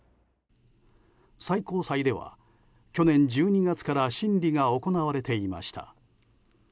最高裁では去年１２月から審理が行われていました。